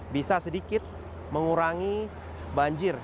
bisa sedikit mengurangi banjir